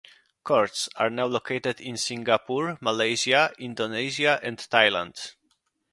Courts is now located in Singapore, Malaysia, Indonesia and Thailand.